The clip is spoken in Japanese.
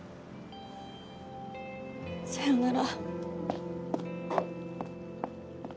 さようなら。